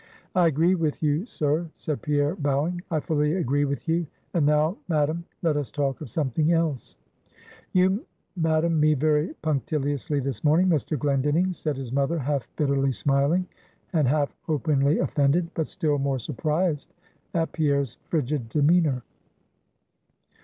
"I agree with you, sir" said Pierre, bowing. "I fully agree with you. And now, madam, let us talk of something else." "You madam me very punctiliously this morning, Mr. Glendinning" said his mother, half bitterly smiling, and half openly offended, but still more surprised at Pierre's frigid demeanor.